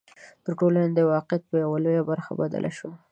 د ټولنې د واقعیت په یوه لویه برخه بدله شوه.